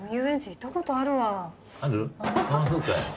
ああそうかい。